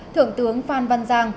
thượng tướng phan văn giang